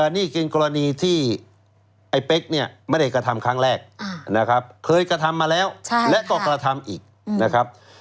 นี่เป็นกรณีที่ไอ้เป๊กเนี่ยไม่ได้กระทำครั้งแรกนะครับเคยกระทำมาแล้วและก็กระทำอีกนะครับ